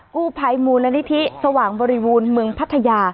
กูภัยมูลละนิทิสว่างบริวูลเมืองพัทยา